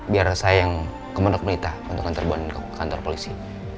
biar saya yang kemenang kemenang untuk nanti terbunuh di kantor polisi